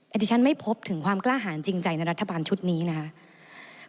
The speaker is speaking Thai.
แต่ดิฉันไม่พบถึงความกล้าหารจริงใจในรัฐบาลชุดนี้นะครับ